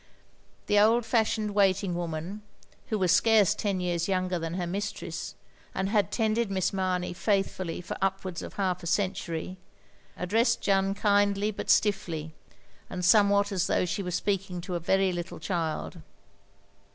The old fashioned waiting woman — who was scarce ten years younger than her mistress, and had tended Miss Mamey faithfully for upwards of half a century — addressed Jeanne kindly but stiffly, and somewhat as though she were speaking to a very little child.